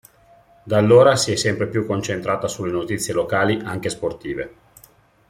Da allora si è sempre più concentrata sulle notizie locali anche sportive.